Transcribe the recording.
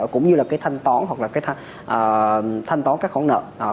cũng như là cái thanh tón hoặc là cái thanh tón các khoản nợ